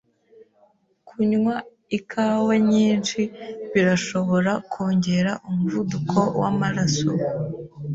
Kunywa ikawa nyinshi birashobora kongera umuvuduko wamaraso.